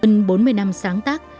từ bốn mươi năm sáng tác